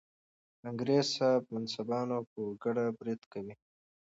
انګریزي صاحب منصبان به په ګډه برید کوي.